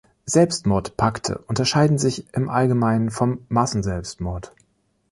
Selbstmordpakte unterscheiden sich im Allgemeinen vom Massenselbstmord.